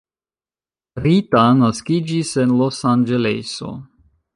Rita naskiĝis en Losanĝeleso.